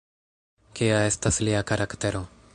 Kia estas lia karaktero?